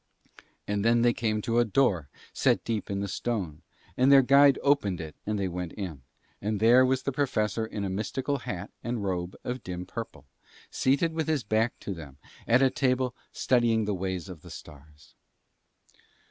And then they came to a door set deep in the stone, and their guide opened it and they went in; and there was the Professor in a mystical hat and a robe of dim purple, seated with his back to them at a table, studying the ways of the stars.